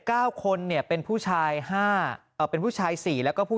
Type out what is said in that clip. เก้าคนเนี่ยเป็นผู้ชายห้าเอ่อเป็นผู้ชายสี่แล้วก็ผู้